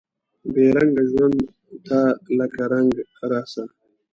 بې رنګه ژوند ته لکه رنګ راسه